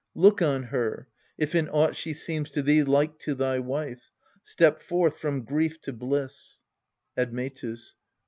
Look on her, if in aught she seems to thee Like to thy wife. Step forth from grief to bliss. Admetus.